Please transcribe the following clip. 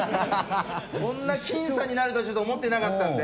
こんな僅差になるとはちょっと思ってなかったんで。